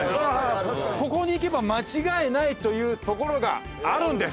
ここに行けば間違いないという所があるんです。